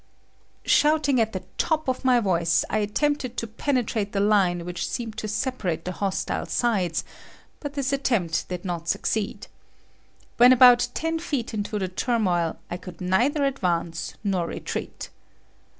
Shouting at the top of my voice, I attempted to penetrate the line which seemed to separate the hostile sides, but this attempt did not succeed. When about ten feet into the turmoil, I could neither advance nor retreat.